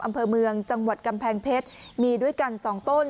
อำเภอเมืองจังหวัดกำแพงเพชรมีด้วยกันสองต้น